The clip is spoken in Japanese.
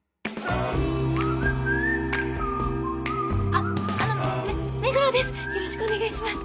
あっあのめ目黒です。